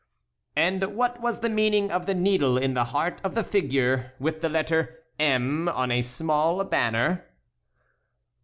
"And what was the meaning of the needle in the heart of the figure, with the letter 'M' on a small banner?"